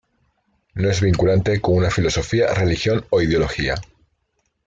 No es vinculante con una filosofía, religión o ideología.